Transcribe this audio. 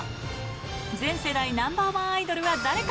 全世代ナンバー１アイドルは誰か。